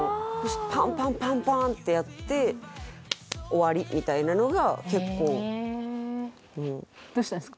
パンパンパンパンってやって終わりみたいなのが結構へえどうしたんですか？